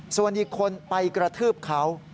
ส่วนอีกคนไปกระทืบเขา